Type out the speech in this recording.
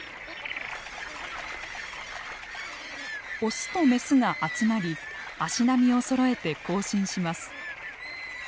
オスとメスが集まり足並みをそろえて行進します。